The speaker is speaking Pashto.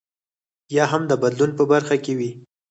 یا هم د بدلون په برخه کې وي.